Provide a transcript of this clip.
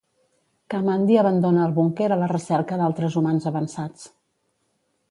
Kamandi abandona el búnquer a la recerca d'altres humans avançats.